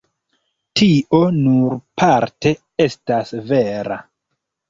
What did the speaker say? Tio nur parte estas vera.